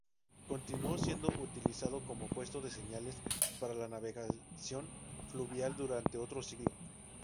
Continuó siendo utilizado como puesto de señales para la navegación fluvial durante otro siglo.